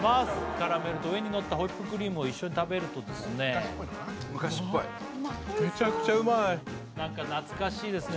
カラメルと上にのったホイップクリームを一緒に食べるとですね昔っぽいのかなうまっメチャクチャうまい何か懐かしいですね